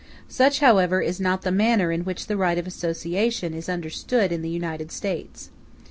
Such, however, is not the manner in which the right of association is understood in the United States.